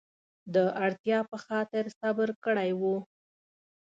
د اړتیا په خاطر صبر کړی و.